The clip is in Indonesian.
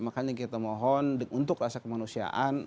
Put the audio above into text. makanya kita mohon untuk rasa kemanusiaan